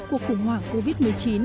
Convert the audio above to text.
cuộc khủng hoảng covid một mươi chín